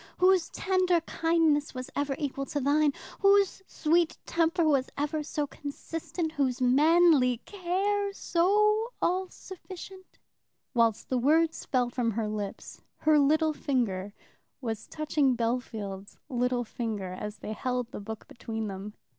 Whose tender kindness was ever equal to thine? whose sweet temper was ever so constant? whose manly care so all sufficient?" While the words fell from her lips her little finger was touching Bellfield's little finger, as they held the book between them.